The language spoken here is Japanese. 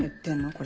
これ。